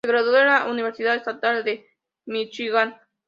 Se graduó de la Universidad Estatal de Míchigan.